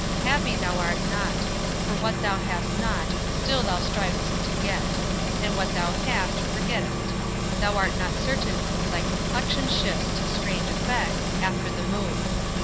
Happy thou art not; For what thou hast not, still thou striv'st to get; And what thou hast forgett'st; Thou art not certain For thy complexion shifts to strange effects, After the moon.